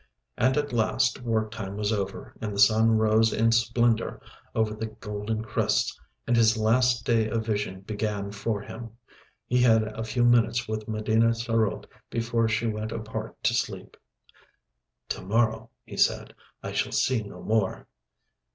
And at last work time was over, the sun rose in splendour over the golden crests, and his last day of vision began for him. He had a few minutes with Medina sarote before she went apart to sleep. "To morrow," he said, "I shall see no more."